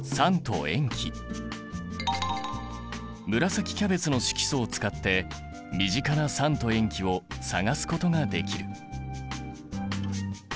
紫キャベツの色素を使って身近な酸と塩基を探すことができる。